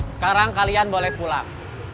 sekarang kalian boleh pulang